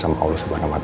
sama allah swt